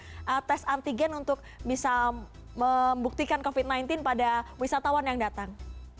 ada tes antigen untuk bisa membuktikan covid sembilan belas pada wisatawan yang datang